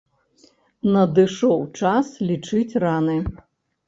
Надышоў час лічыць раны.